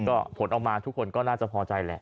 ก็ผลออกมาทุกคนก็น่าจะพอใจแหละ